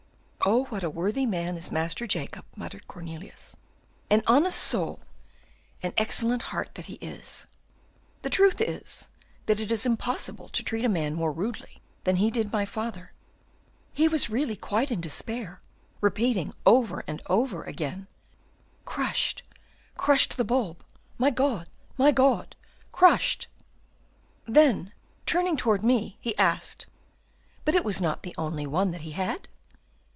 "Oh, what a worthy man is this Master Jacob!" muttered Cornelius, "an honest soul, an excellent heart that he is." "The truth is, that it is impossible to treat a man more rudely than he did my father; he was really quite in despair, repeating over and over again, "'Crushed, crushed the bulb! my God, my God! crushed!' "Then, turning toward me, he asked, 'But it was not the only one that he had?